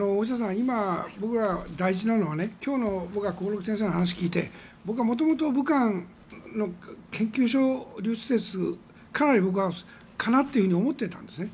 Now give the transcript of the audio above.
今、僕ら大事なのは今日の興梠先生の話を聞いて僕は元々、武漢の研究所流出説はかなり僕はそうかなと思っていたんですね。